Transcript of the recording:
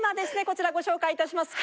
こちらご紹介いたします。